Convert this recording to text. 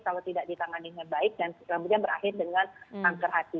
kalau tidak ditangani dengan baik dan kemudian berakhir dengan kanker hati